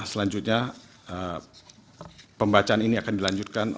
selanjutnya pembacaan ini akan dilanjutkan